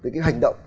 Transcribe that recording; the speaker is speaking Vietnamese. cái hành động